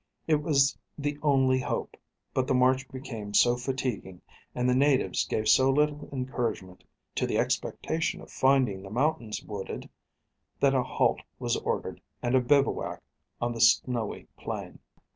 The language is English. It was the only hope; but the march became so fatiguing, and the natives gave so little encouragement to the expectation of finding the mountains wooded, that a halt was ordered, and a bivouac on the snowy plain.